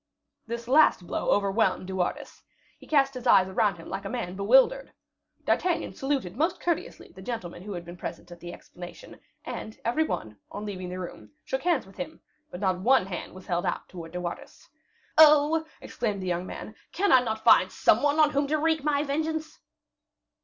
This last blow overwhelmed De Wardes. He cast his eyes around him like a man bewildered. D'Artagnan saluted most courteously the gentlemen who had been present at the explanation; and every one, on leaving the room, shook hands with him; but not one hand was held out towards De Wardes. "Oh!" exclaimed the young man, "can I not find some one on whom to wreak my vengeance?"